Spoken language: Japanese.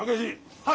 はい！